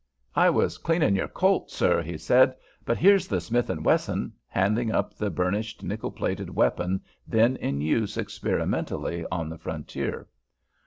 "I was cleaning your 'Colt,' sir," he said, "but here's the Smith & Wesson," handing up the burnished nickel plated weapon then in use experimentally on the frontier.